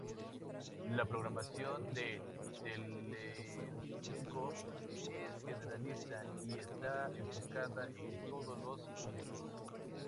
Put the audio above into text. La programación de Telecinco es generalista, y está enfocada a todos los públicos.